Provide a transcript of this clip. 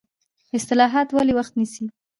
اصلاحات ولې وخت نیسي؟